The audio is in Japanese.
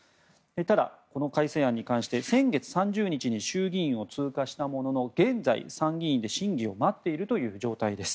ただ、この改正案に関して先月３０日に衆議院を通過したものの現在、参議院で審議を待っているという状態です。